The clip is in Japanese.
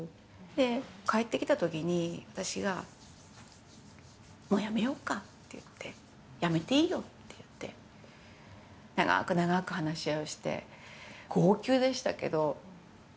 で、帰ってきたときに、私が、もう辞めようかって言って、辞めていいよって言って、長く長く話し合いをして、号泣でしたけど。